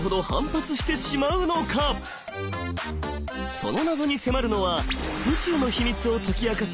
その謎に迫るのは宇宙の秘密を解き明かす